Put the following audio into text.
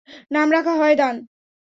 নাম রাখা হয় দান।